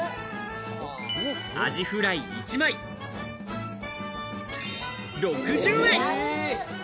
アジフライ一枚、６０円。